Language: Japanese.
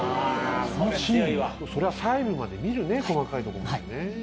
そりゃ細部まで見るね細かいとこまでね。